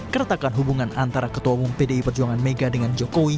keretakan hubungan antara ketua umum pdi perjuangan mega dengan jokowi